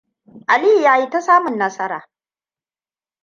Aliyu ya yi ta samun nasara.